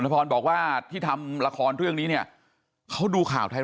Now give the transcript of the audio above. พรบอกว่าที่ทำละครเรื่องนี้เนี่ยเขาดูข่าวไทย